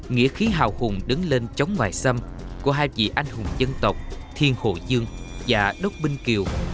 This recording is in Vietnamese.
nghĩa khí hào hùng đứng lên chống ngoại xâm của hai vị anh hùng dân tộc thiên hồ dương và đốc binh kiều